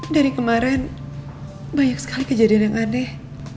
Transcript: dari kemarin banyak sekali kejadian yang aneh